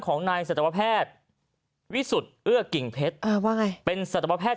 ของนายสัตวแพทย์วิสุทธิ์เอื้อกิ่งเพชรอ่าว่าไงเป็นสัตวแพทย